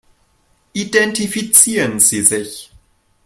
Identifizieren Sie sich.